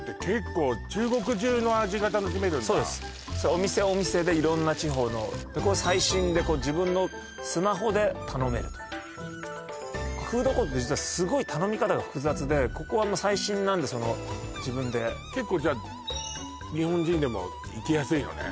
お店お店で色んな地方のこれ最新で自分のスマホで頼めるフードコートって実はすごい頼み方が複雑でここは最新なんで自分で結構じゃあ日本人でも行きやすいのね？